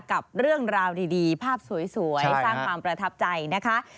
กับเรื่องราวดีภาพสวยสร้างความประทับใจนะคะ